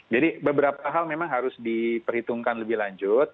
jadi beberapa hal memang harus diperhitungkan lebih lanjut